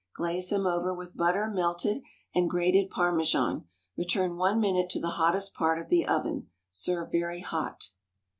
Glaze them over with butter melted and grated Parmesan; return one minute to the hottest part of the oven. Serve very hot.